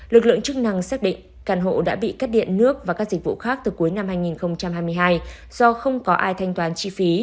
lực lượng chức năng xác định căn hộ đã bị cắt điện nước và các dịch vụ khác từ cuối năm hai nghìn hai mươi hai do không có ai thanh toán chi phí